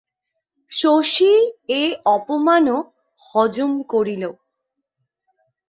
শশী এ অপমানও হজম করিল।